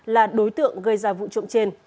là đối tượng gây ra vụ trộm trên